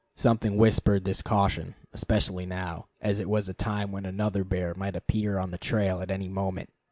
Something whispered this caution, especially now, as it was a time when another bear might appear on the trail at any moment.